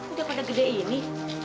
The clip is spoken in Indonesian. udah pada gede ini